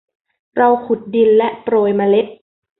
เราขุดดินและโปรยเมล็ด